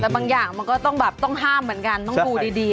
แต่บางอย่างมันก็ต้องแบบต้องห้ามเหมือนกันต้องดูดี